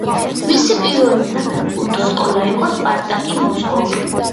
მისი პირველი საფეხბურთო სკოლა იყო სპარტაკი მოსკოვი.